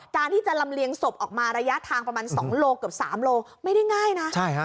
การที่จะลำเลี้ยงสบออกมาระยะทางประมัน๒กับกับ๓ก็ไม่ได้ง่ายนะ